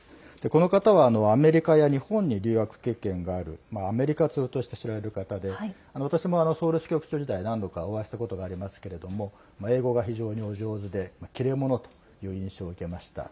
この方はアメリカや日本に留学経験があるアメリカ通として知られる方で私もソウル支局長時代何度かお会いしたことがありますけれども英語が非常にお上手で切れ者という印象を受けました。